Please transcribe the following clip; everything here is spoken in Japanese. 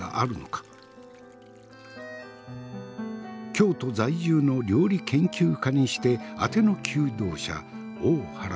京都在住の料理研究家にしてあての求道者大原千鶴。